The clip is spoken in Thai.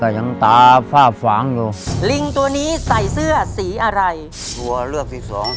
หายตามันจะไม่ค่อยดีมองไม่เห็นเอาใกล้กับยังตาฝ้าฝางอยู่